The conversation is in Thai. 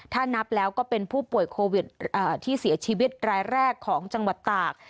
ถ้านับแล้วก็เป็นผู้ป่วยโควิดที่เสียชีวิตรายแรกของจังหวัดตาก